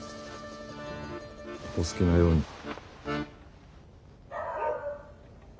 お好きなように。